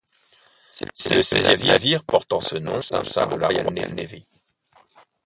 C'est le seizième navire portant ce nom au sein de la Royal Navy.